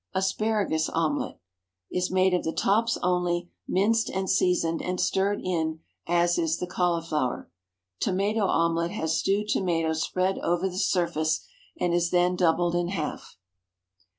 ASPARAGUS OMELETTE. ✠ Is made of the tops only, minced and seasoned, and stirred in as is the cauliflower. Tomato omelette has stewed tomato spread over the surface, and is then doubled in half.